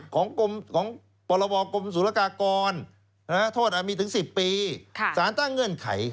ของประวัติกรรมสูรกากรโทษมีถึง๑๐ปีสารตั้งเงื่อนไข